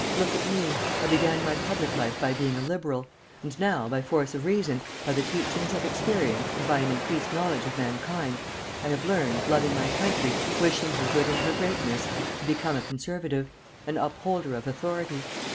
"Look at me. I began my public life by being a liberal; and now, by force of reason, by the teachings of experience, and by an increased knowledge of mankind, I have learned, loving my country, wishing her good and her greatness, to become a conservative, an upholder of authority.